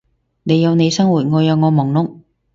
你有你生活，我有我忙碌